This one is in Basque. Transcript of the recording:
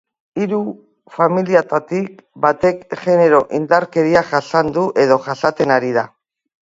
Hiru familiatatik batek genero-indarkeria jasan du edo jasaten ari da.